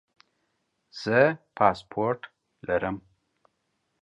زه پاسپورټ لرم